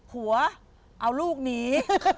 ผัวเอาลูกหนี